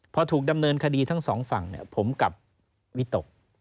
พอถูกดำเนินคดีทั้งสองฝั่งผมกลับวิตก